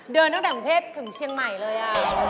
เดินตั้งแต่ถูกเทพฯถึงเชียงใหม่เลย